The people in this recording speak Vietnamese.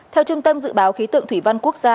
theo trung tâm dự báo khí tượng thủy văn quốc gia